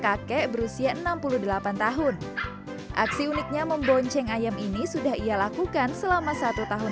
kakek berusia enam puluh delapan tahun aksi uniknya membonceng ayam ini sudah ia lakukan selama satu tahun